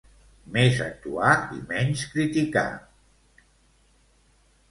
Més actuar i menys criticar